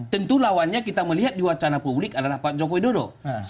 tentu lawannya kita melihat di wacana publik adalah pak jokowi dodo